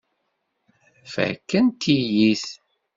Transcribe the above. Fakkent-iyi-t.